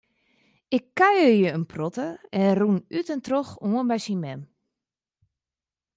Ik kuiere in protte en rûn út en troch oan by syn mem.